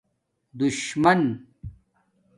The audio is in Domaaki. دُشمن